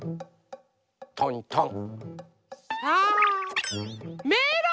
トントン。